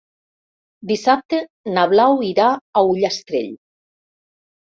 Dissabte na Blau irà a Ullastrell.